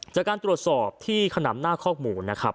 จากการตรวจสอบที่ขนำหน้าคอกหมูนะครับ